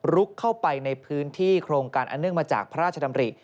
เข้าไปในพื้นที่โครงการอันเนื่องมาจากพระราชดำริ